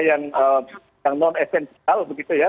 mereka yang non essential begitu ya